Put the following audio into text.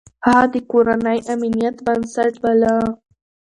هغه د کورنۍ امنيت بنسټ باله.